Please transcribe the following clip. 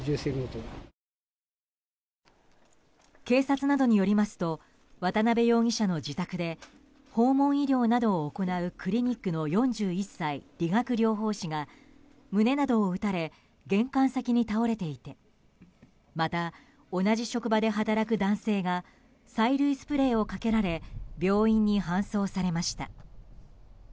警察などによりますと渡邊容疑者の自宅で訪問医療などを行うクリニックの４１歳、理学療法士が胸などを撃たれ玄関先に倒れていてまた、同じ職場で働く男性が催涙スプレーをかけられ病院に搬送されました。